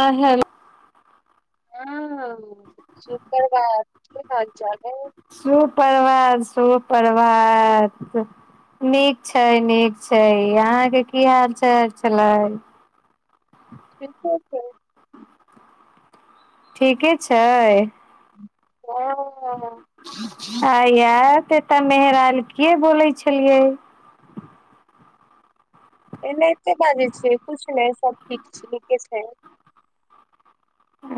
ह [unintelligible] हेलो हँ सुभपरभात [unintelligible] ख छैै सुपरवात सुपवात नीक छै नीक छै अहाँ के की हाल चाल छलै ठीके छै ठीके छै ओ ह या त त मेहराल कीयै बोलै छलियै एनाहिते बाजै छियै कुछ ने सब ठीक छियै के छै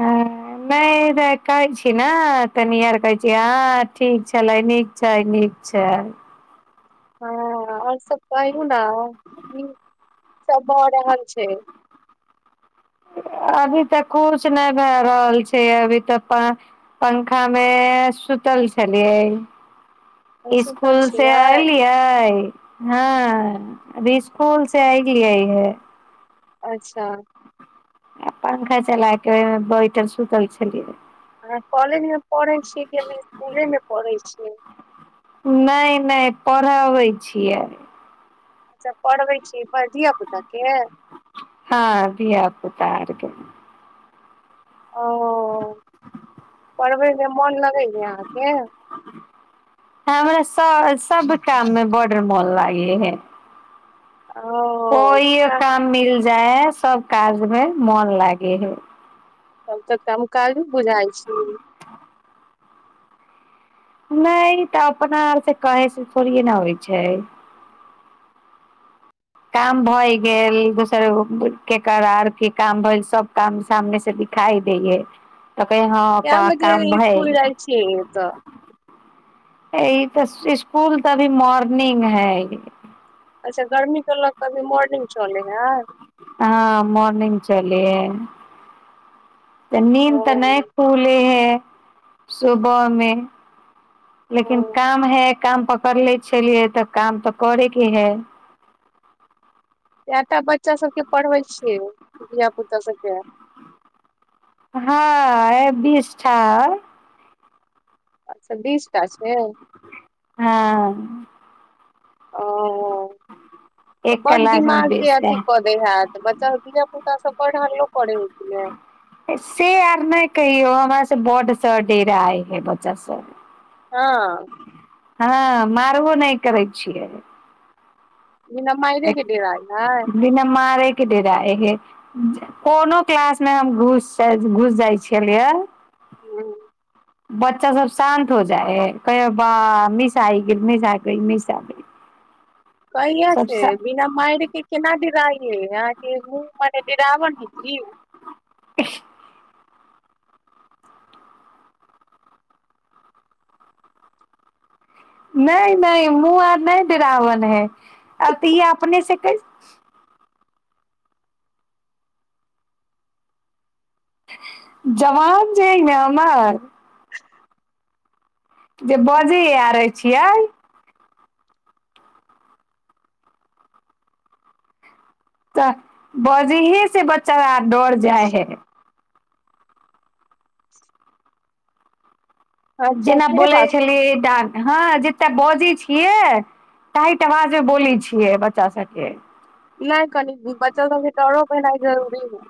आ नहि तऽ कहै छी ने तनी आर कहै छी हँ ठीक छलै नीक छै नीक छै हँ आओर सब कहि ने की सब भऽ रहल छै अभी तऽ कछ नहि भए रहल छै अभी तऽ पा पंखा मे सुतल छलियै सुतल इसकुल से छियै ऐलियै हँ अभी इसकुल से अइलियै है अच्छा आ पंखा चला के बैटल सुतल छेलिय ह कॉलेज मे पढ़े छीयै किभी इसकुले मे पढ़े छीयै नहि नहि पढ़बै छियै अच्छा पढ़बै छी धीया पुता के? हँ धिया पुता के। ओ [inaudible] पढ़बैमे मोन लगैय अहाँके? हमरा सभ सभ काम में बड मन लागे हे ओ कोएयो का- काम मिलि जाय है, सभ काजमे मोन लागै हे। तब तऽ काम काज बुझाइ छी। नहि तऽ अपना आरसँ कहैसँ थोड़े ने होइ छै। काम भऽ गेल, दोसर केकर आओर की काम भऽ गेल सभ। काम सामनेसँ दिखाई दै है। [inaudible] त कइहो हँ कै बजे स्कूल जाइ छै त? य तऽ स्कूल तऽ अभी मॉर्निंग है। अच्छा, गर्मीके लऽ कऽ अभी मोर्निंग चले है। हँ मॉर्निंग चलि ह तऽ नींद ओ तऽ नहि खुले हे सुबह मे लेकिन ओ काम है, काम पकड़ ले छलियै तऽ काम तऽ करैके है। कएटा बच्चा सभके पढ़बै छियै, धियपुता सभके। हँ, बीस टा अच्छा, बीस टा छै? हँ ओ तऽ एक बड़ क्लास मे दिमागके बीस अथी टा कऽ देय हत बच्चा, धिय पुता सभ बढ़ि हलो करै ह ने। से आर नहि कहियौ, हमरासँ बड़सँ डेरा आय है बच्चा सभ। हँ हँ, मारबो नहि करै छियै। बिना माइरे के डेराइ है बिना मारे। के डेराइ छै? कोनो क्लासमे हम घुस घुस जाइ छलियै। हँ बच्चा सभ शान्त भऽ जाइ है, कहै बाऽ, मिस आइ गेल, मिस आ गेल, मिस आ गेल। बढिया से बिना मार? के केना डेराइ, अहाँके मुँह मने रावण हे। [inaudible] नहि नहि, मुँह आर नहि, डेरावन है, आब तऽ ई अपनेसँ कै। जवान जे अइ ने, हमर। जे बजै आर छियै। तऽ बजहेसे बच्चा आब डर जाइ हे। [inaudible] अच्छा जेना से बोलै बात छै छलियै, डन। हँ, जेतऽ बजै छियै, टाइट आवाजमे बोली छियै बच्चा सभके। नहि, कनि बच्चा सभके डरो भेनाइ जरूरी हइ।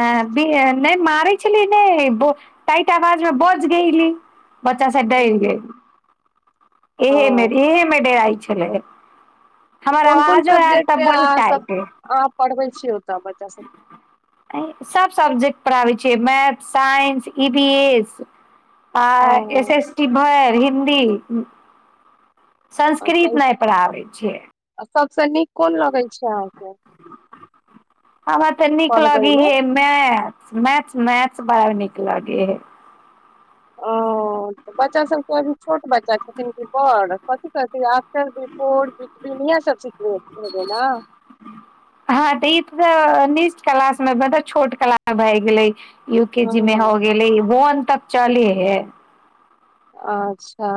अ नहि, मारै छली नहि, टाइट आवाजमे बजली। बच्चा सभ डरि हय गेल, इहेमे ह इहेमे डराइ छलै। हमर कोन कोन आवाजो आर तऽ सब्जेक्ट बड़ अहाँ सभ टाइट पढ़बै छियै, ओतऽ बच्चा सभके? सभ सब्जेक्ट पढ़ाबै छियै, math, science, E B S. आ एस ओ एस टी कहे है आ हिन्दी। अच्छा संस्कृत ई नहि पढ़ाबै छियै। सबसँ नीक कोन लगय छै अहाँके आब एत्ते तऽ नीक पढ़बै लागी मे हे मैथ्स मैथ्स मैथ्स बड़ा नीक लगे है ओ तऽ बच्चा सबके अभी छोट बच्चा छथिन कि बड़ कथि कहथि आ [unintelligible] सिखबे हेबै ने हँ तऽ ई त नीस्ट क्लास मे मलब छोट कलास भए गेलै यू के जी मे हो हँ गेलै वन तक चली है अच्छा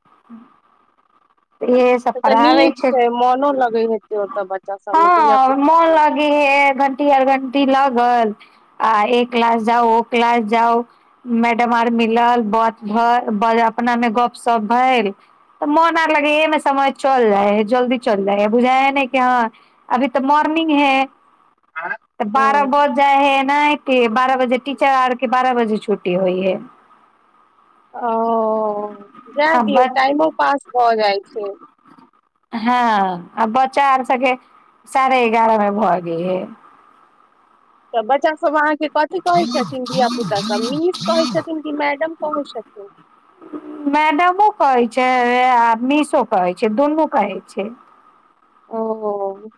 [inaudible] इहे सब से तऽ पढ़ाबै नीक छै मोनो लगे हेते ओतऽ बच्चा सब सबमे धिया हँ पुता मोन लगै हइ घण्टी आर घण्टी लागल आ एक क्लास जाउ ओ क्लास जाउ मैडम आर मिलल बात भ अपना मे गपशप भेल तऽ मोन आर लगे ह एहि मे समय चल जाय है जल्दी चल जाय है बुझा है न कि हँ अभी तऽ मॉर्निंग है तऽ बाद हँ बज जाइ है न के बारह बजे टीचर आर के बारह बजे छुट्टी होइ है ओ जाय आ दियौ बच टाइमो पास भऽ जाइ छै हँ आ बच्चा आर सबके साढ़े एगारह मे भऽ गेलय हे तऽ बच्चाभ अहाँके कथी कहैत छथिन धिया पुतासभ मिस कहै छथिन की मैडम कहय छथिन मैडमो कहैत छै आ मिशो कहैत छै दुनू कहैत छै ओ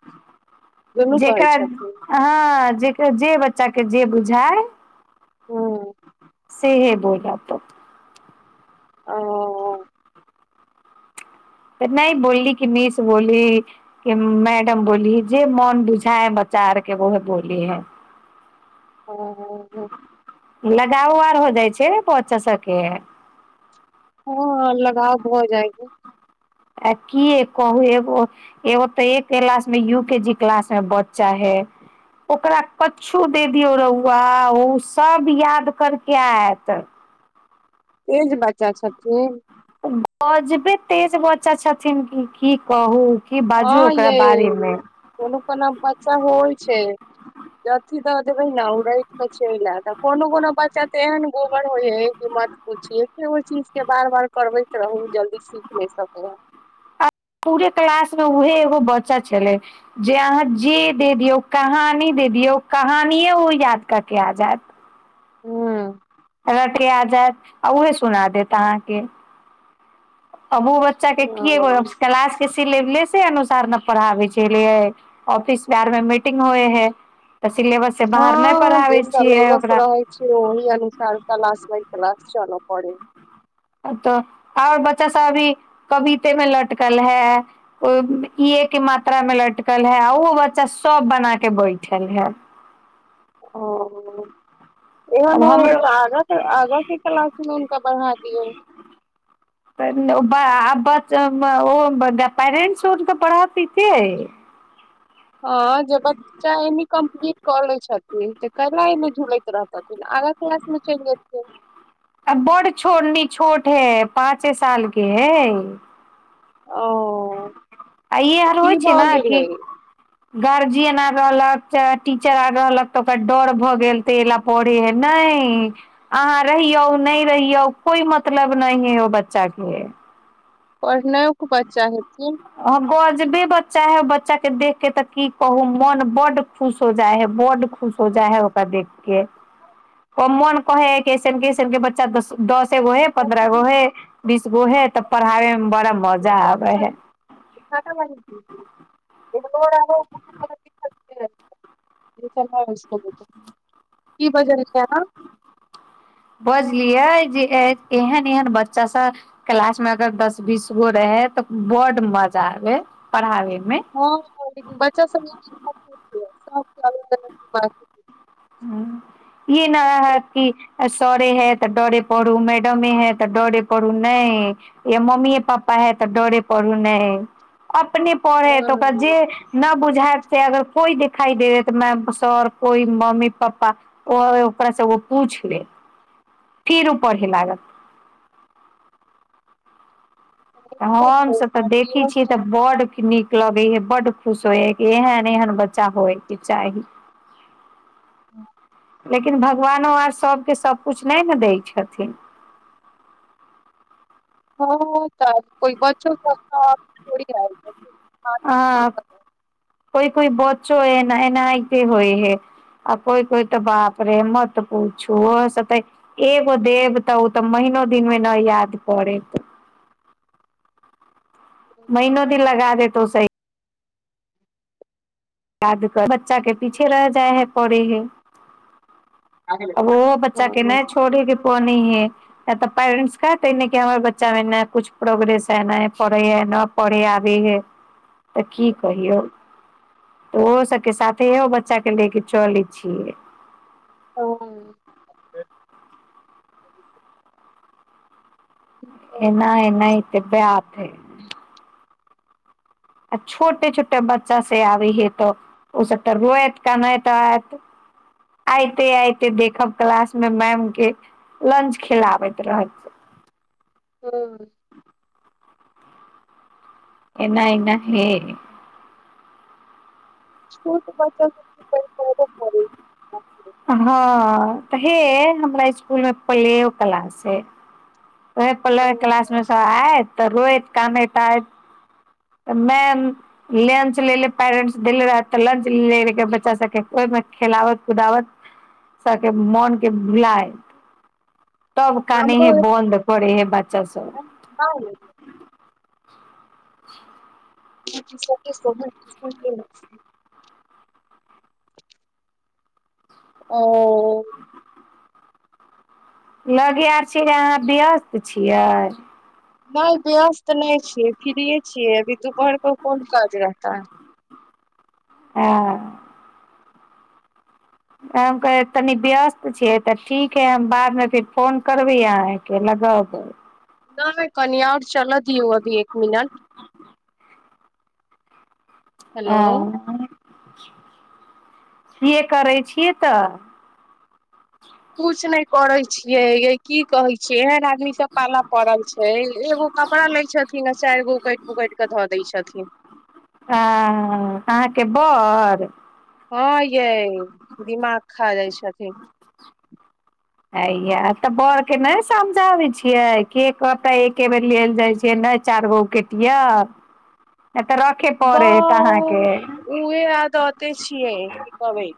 दुनू कहै जेकरा छथिन हँ जे जे बच्चाके जे बुझाय हँ सेहे बोलत ओ तऽ नहि बोलली की मीस बोली के मैडम बोली ही जे मोन बुझाय है बच्चा आर के वहे बोली है हँ लगावो आर हो जाइ छै बच्चा सबके हँ लगाव भऽ जाए छै आ कि कहु एगो एगो तऽ एक क्लास मे यू के जी क्लास मे बच्चा है ओकरा कछु दे दियौ रौआ ओ सब याद करके आयत तेज बच्चा छथिन गजबे तेज बच्चा छथिन की की कहू कि बाजू हँ ओकरा यै बारे मे कोनो कोनो बच्चा होइ छै जथी तऽ न ओराति छै ल त कोनो कोनो बच्चा तऽ एहन गोबर होइ कत ओछि ह ओहि चीजके बार बार करबैत रहू जल्दी सीख नहि सकै हए पूरे क्लास मे उहे एगो बच्चा छलै जे अहाँ जे दे दियौ कहानी दे दियौ कहानि ओ याद कऽ के आ जायत हँ रटिया जायत आ उहे सुना देत अहाँके अब ओ बच्चा के क एगो क्लास के सिलेबसे अनुसार ने पढ़ाबै छलेे ऑफिस ब आरमे मीटिंग होइ है तऽ सिलेबस से बाहर नहि पढ़ाबै छियै ओकरा [unintelligible] ओ ई अनुसार क्लस बाय क्लस चलो पड़े तऽ आओर बच्चा सब अभी कबिते मे लटकल है ओ इए के मात्रा मे लटकल हे आ ओहो बच्चा सभ बना के बैठल हे ओ अब एन ओ हमरो त आग आगा के क्लास मे उनका बढ़ा दियौ चऽ, ओ पैरेंट्स ओकरा पढ़बै। हँ, जे बच्चा एहिमे कम्प्लीट कऽ ले छथिन तऽ कला एहिमे झुलैत रहत। आगा क्लासमे चलि जेतियै। आ बड़ छोट है, पाँचे सालके है। ओ आइयो आर की होइ छै भऽ ने की? गेलै गार्जियन आ रहलक चाही, टीचर आ रहलक तऽ ओकर डर भऽ गेल। तेला पढ़ै नहि। अहाँ रहियौ नहि रहियौ, कोइ मतलब नहि हे ओ बच्चाके। पढ़नाइयो खऽ बच्चा हेथिन। हँ, गजबे बच्चा छै बच्चा, देख कऽ तऽ की कहू, मोन बड्ड खुश हो जाइ है, बड़ खुश हो जाइ है ओकरा देख के। ओ मोन कहैए, कइसन कइसन के बच्चा दसगो है, पन्द्रहगो है। बीसगो हे तऽ पढ़ाबैमे बड़ा मजा आबै है। रो [unintelligible] क बजल बजलियै जे एहन एहन बच्चा सभ। क्लासमे अगर दस बीसगो रहै तऽ बड़ मजा आबै पढ़ाबैमे। हँ लेकिन बच्चा सभ सभ अलग अलग बात हँ, ई नहि ह कि। सर छै तऽ डरे पढ़ू, मैडम छै तऽ डरे पढ़ू नहि। या मम्मी पापा छै तऽ डरे पढ़ू ने, अपने पढ़ऽ ह तऽ ओकरा हँ जे। न बुझायब से अगर कोइ दिखाई दे तऽ मैडम, सर, कोइ मम्मी। पप्पा, ओकरासँ ओ पूछ ले, फेर ओ पढ़ै लागल। ठीक है, हमसभ तऽ देखै गार्जियनो छियै के। तऽ बहुत नीक लगै हऽ, बड़ खुश होइ हऽ, किहन एहन बच्चा होइ कि चाही। ह [inaudible] लेकिन भगवानो आर सभके सभकिछु नहि ने दै छथिन। हँ तऽ कोनो बच्चो तऽ अपना आप छोड़ी आय। आ कोइ कोइ बच्चो एना एना के होइ हे। आ कोइ कोइ तऽ बाप रे, मतऽ पूछु से तऽ। एगो देब तऽ ओ तऽ महिना दिनमे न याद पड़ै। महिनो दिन लगा देतौ स याद करऽ, बच्चाके पीछे रहि जाय है, पड़ै हय। आब ओ बच्चाके हँ नहि छोड़ैके पोनी है। यऽ तऽ पेरेंट्स कहै छै ने कि हमर बच्चामे किछु प्रोग्रेस है, न है, पढ़ै न पढ़ै, आबै है। [inaudible] तऽ की कहियौ? तऽ ओहो सभके साथे इहो बच्चाके लऽ कऽ चलैत छियै। ओ ह [inaudible] एना एना हऽ तऽ बथे। आ छोटे छोटे बच्चा से आबै हे तऽ ओसभ तऽ रोत कनैत आयत। आइते आइते देखब क्लासमे मैमके। लंच खुआबैत रहैत छै। हँ एना एना हे तऽ बचल करऽ पड़ै। छै। हँ तऽ हे, हमरा इसकुलमे प्ले क्लास ह। ओहि प्ले तो क्लासमे सभ आयत तऽ रोत कनैत तऽ मैम। लंच लेलेे पेरेंटस देले रहै तऽ लंच ले रह बच्चा सबके ओहिमे खेलाबत कुदावत सबके मोन के भुलाय तब काने हमरो हेय बन्द करे हेय बच्चा सब [unintelligible] [unintelligible] ओ लगे आर छिय जे अहाँ व्यस्त छियै नहि व्यस्त नहि छियै फ्रिये छियै अभी दुपहर क कोन काज रहता है ह हम कहिये तनी व्यस्त छियै तऽ ठीक है हम बादमे फिर फोन करबै अहाँ के अगैबे नय कनी आओर चलअ दियो अभी एक मिनट अ हेलो सीए करै छिय तऽ कुछ नहि करै छियै ये की कहै छियै एहन आदमी सँ पाला पड़ल छै एगो कपड़ा लै छथिन आ चारि गो उकटि पकटि के धऽ दै छथिन ह अहाँके बड़ हँ यै दिमाग खा जाइ छथिन हया तऽ बड़ के नहि समझाबै छियै के कपड़ा एके बेर लेल जय छियै नय चारि गो उटियो [inaudible] ए तऽ रखे पड़ेत अहाँके बौह उहे आदते छियै की कहबै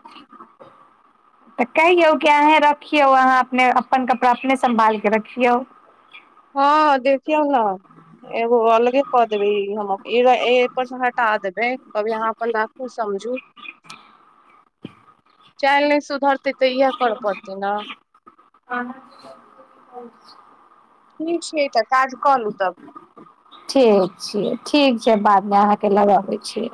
तऽ कहियौ कि अहे रखियौ अहाँ अपने अपन कपड़ा अपने सम्भालके रखियौ हँ देखियो न एगो अलगे कऽ देबै हम अप इ ऐय पर से हटा देबै कभी अहाँ अपन राखु समझू चाइल नय सु धरतै तऽ इएह करऽ पड़तै ने [unintelligible] ठीक छै तऽ काज कलू तब ठीक छियै ठीक छै बादमे अहाँके लगबै छियै